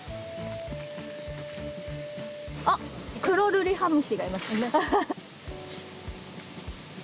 あっクロルリハムシがいますね。